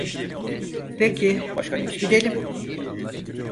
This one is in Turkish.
Peki, gidelim.